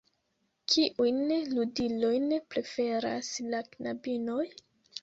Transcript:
Kiujn ludilojn preferas la knabinoj?